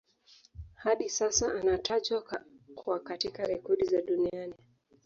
Hadi sasa anatajwa kwa katika rekodi za duniani